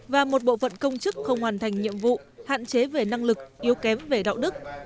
và một bộ phận công chức không hoàn thành nhiệm vụ hạn chế về năng lực yếu kém về đạo đức